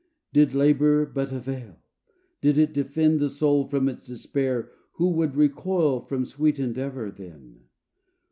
Did labor but avail! did it defend The soul from its despair, who would recoil From sweet endeavor then?